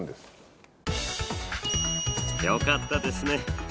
よかったですね